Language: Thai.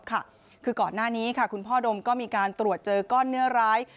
คือก่อนหน้านี้คุณพ่อดมก็มีการตรวจเจอก้อนเนื้อร้าย